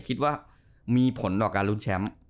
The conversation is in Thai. คิดว่ามีผลต่อการลุ้นแชมป์